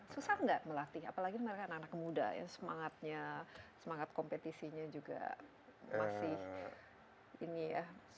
susah nggak melatih apalagi mereka anak anak muda ya semangatnya semangat kompetisinya juga masih ini ya